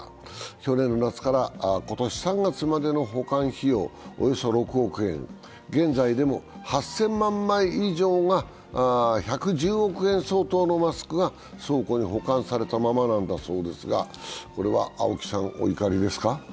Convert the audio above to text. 去年の夏から今年３月までの保管費用、およそ６億円、現在でも８０００万枚以上、１１０億円相当のマスクが倉庫に保管されたままなんだそうです。